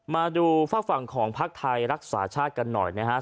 มาดูฝั่งของพรรคไทยรักษาชาติกันหน่อยนะฮะ